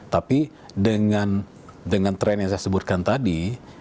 tapi dengan tren yang saya sebutkan tadi